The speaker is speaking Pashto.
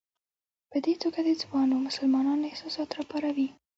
په دې توګه د ځوانو مسلمانانو احساسات راپاروي.